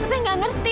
teteh gak ngerti